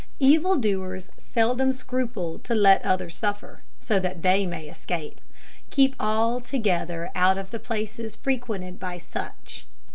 Evil doers seldom scruple to let others suffer, so that they may escape. Keep altogether out of the places frequented by such.